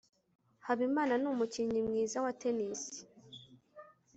habimana numukinnyi mwiza wa tennis